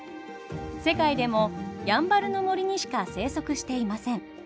世界でもやんばるの森にしか生息していません。